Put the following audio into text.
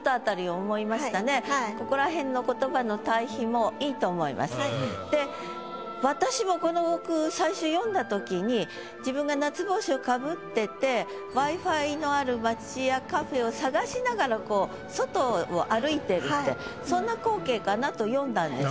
私もここらへんので私もこの句最初読んだ時に自分が夏帽子を被っててＷｉ−Ｆｉのある町屋カフェを探しながらこう外を歩いてるってそんな光景かなと読んだんです。